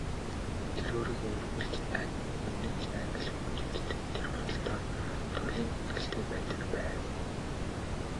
Тэр өөрийгөө үргэлж үнэнч Англи хүн гэж үздэг, тэр бодолдоо туйлын итгэлтэй байдаг байв.